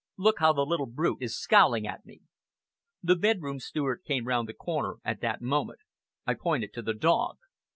"Look how the little brute is scowling at me!" The bedroom steward came round the corner at that moment. I pointed to the dog.